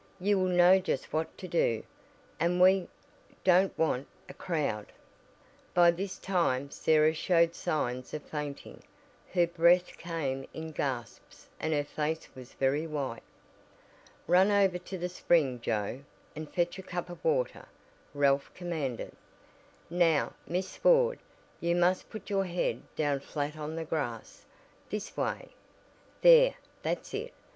"You will know just what to do, and we don't want a crowd." By this time Sarah showed signs of fainting; her breath came in gasps and her face was very white. "Run over to the spring Joe, and fetch a cup of water," Ralph commanded. "Now, Miss Ford, you must put your head down flat on the grass this way. There, that's it.